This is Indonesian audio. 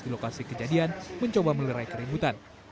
di lokasi kejadian mencoba melerai keributan